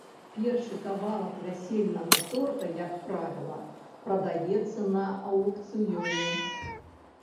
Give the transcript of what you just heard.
Першы кавалак вясельнага торта, як правіла, прадаецца на аўкцыёне.